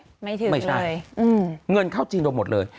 ไม่ถึงเลยอืมไม่ใช่เงินเข้าจีนโดยหมดเลย